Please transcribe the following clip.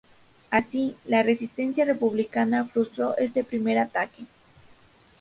Así, la resistencia republicana frustró este primer ataque.